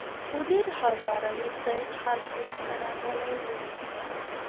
منیر هزاروي صیب هرکلي ته راغلي ول.